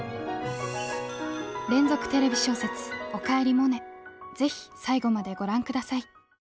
連続テレビ小説「おかえりモネ」是非最後までご覧ください。